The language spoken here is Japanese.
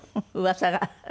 噂が」